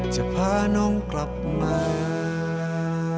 จะพาน้องกลับมา